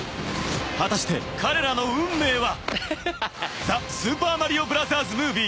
［果たして彼らの運命は？］